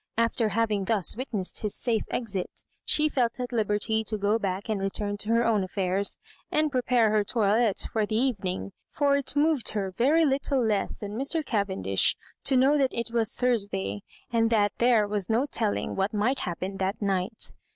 After having thus witnessed his safe exit, she felt at hberty to go back and return to her own affairs, and prepare her toilette lor the evening ; for it moved her very little less than Mr. Cavendish to know that it was Thursday, and that there was no telling what might happen that night.